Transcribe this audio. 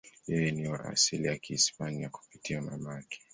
Yeye ni wa asili ya Kihispania kupitia mama yake.